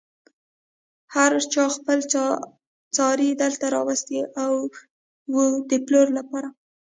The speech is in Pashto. هر چا خپل څاری دلته راوستی و د پلور لپاره.